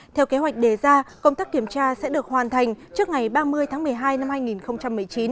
theo kế hoạch đề ra công tác kiểm tra sẽ được hoàn thành trước ngày ba mươi tháng một mươi hai năm hai nghìn một mươi chín